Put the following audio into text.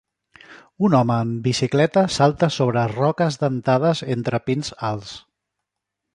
Un home en bicicleta salta sobre roques dentades entre pins alts.